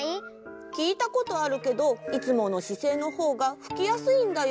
きいたことあるけどいつものしせいのほうがふきやすいんだよ。